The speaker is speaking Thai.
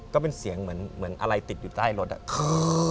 ก็เป็นเสียงเหมือนเหมือนอะไรติดอยู่ใต้รถอ่ะ